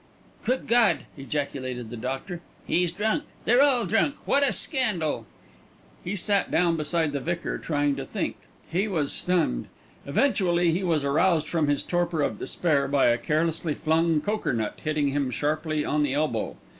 "Good God!" ejaculated the doctor. "He's drunk. They're all drunk. What a scandal." He sat down beside the vicar, trying to think. He was stunned. Eventually he was aroused from his torpor of despair by a carelessly flung cokernut hitting him sharply on the elbow.